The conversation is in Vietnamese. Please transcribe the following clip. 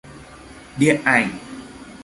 Điện ảnh